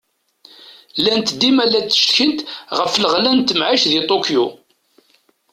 Llant dima la d-ttcetkint ɣef leɣla n temεict di Tokyo.